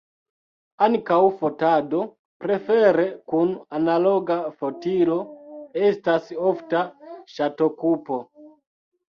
Ankaŭ fotado, prefere kun analoga fotilo, estas ofta ŝatokupo.